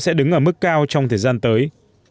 sẽ đứng ở mức cao trong thời gian tới